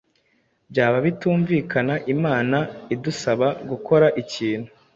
Byaba bitumvikana Imana idusaba gukora ikintu